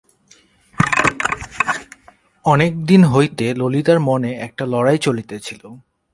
অনেক দিন হইতে ললিতার মনে একটা লড়াই চলিতেছিল।